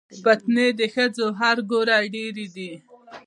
فتنې د ښځو هر ګوره ډېرې دي